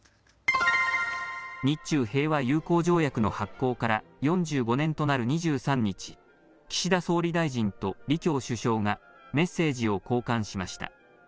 日中平和友好条約の発効から４５年となる２３日、岸田総理大臣と李強首相がメッセージを交換しました。